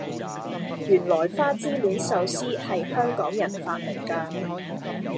原來花之戀壽司係香港人發明架